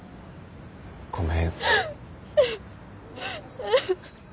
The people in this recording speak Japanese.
ごめん。